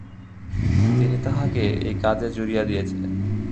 তিনি তাঁহাকে এই কাজে জুড়িয়া দিয়াছিলেন।